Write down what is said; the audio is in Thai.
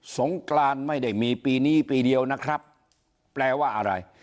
งกรานไม่ได้มีปีนี้ปีเดียวนะครับแปลว่าอะไร